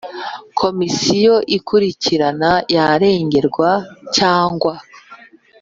Komisiyo ikurikirana yaregerwa cyangwa